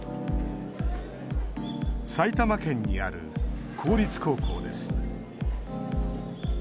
埼玉県にある公立高校です。